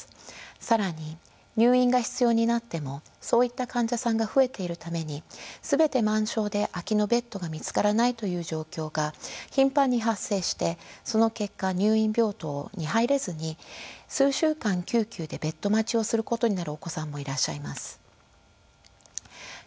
更に入院が必要になってもそういった患者さんが増えているために全て満床で空きのベッドが見つからないという状況が頻繁に発生してその結果入院病棟に入れずに数週間救急でベッド待ちをすることになるお子さんもいらっしゃいます。